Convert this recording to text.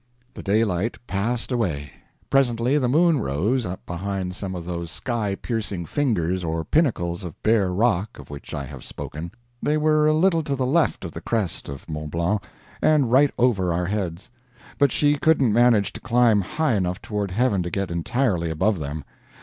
The daylight passed away. Presently the moon rose up behind some of those sky piercing fingers or pinnacles of bare rock of which I have spoken they were a little to the left of the crest of Mont Blanc, and right over our heads but she couldn't manage to climb high enough toward heaven to get entirely above them.